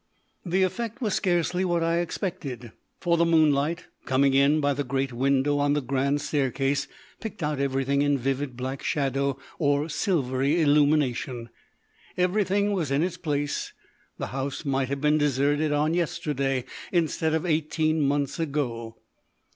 The effect was scarcely what I expected, for the moonlight, coming in by the great window on the grand staircase, picked out everything in vivid black shadow or silvery illumination. Everything was in its place: the house might have been deserted on the yesterday instead of eighteen months ago.